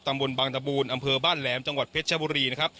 บนบางตะบูลอำเภอบ้านแหลมจังหวัดเพชรชบุรีนะครับ